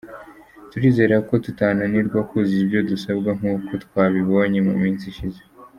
Turizera ko tutananirwa kuzuza ibyo dusabwa nkuko twabibonye mu minsi ishize.”